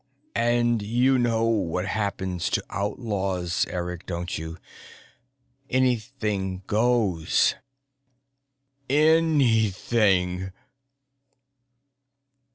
And you know what happens to outlaws, Eric, don't you? Anything goes. _Anything.